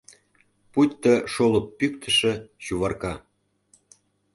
Пуйто шолып пӱктышӧ Чуварка.